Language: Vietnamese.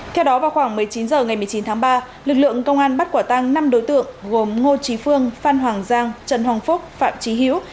theo đó vào khoảng một mươi chín h ngày một mươi chín tháng ba lực lượng công an bắt quả tăng năm đối tượng gồm ngô trí phương phan hoàng giang trần hồng phúc phạm trí hiếu